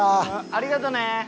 ありがとうね。